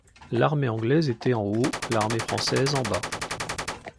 L’armée anglaise était en haut, l’armée française en bas.